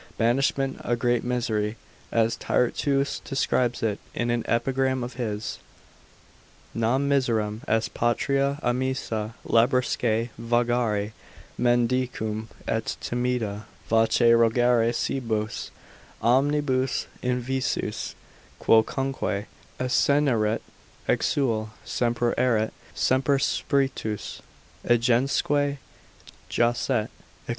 Banishment a great misery, as Tyrteus describes it in an epigram of his, Nam miserum est patria amissa, laribusque vagari Mendicum, et timida voce rogare cibos: Omnibus invisus, quocunque accesserit exul Semper erit, semper spretus egensque jacet, &c.